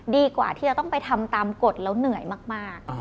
ดีกว่าที่จะต้องไปทำตามกฎแล้วเหนื่อยมาก